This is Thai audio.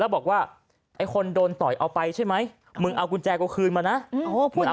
บอกว่าไอ้คนโดนต่อยเอาไปใช่ไหมมึงเอากุญแจกูคืนมานะ